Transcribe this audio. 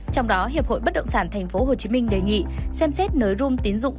trong đó hiệp hội bất động sản tp hcm đề nghị xem xét nới room tín dụng